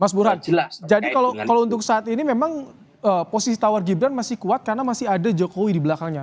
mas burhan jadi kalau untuk saat ini memang posisi tawar gibran masih kuat karena masih ada jokowi di belakangnya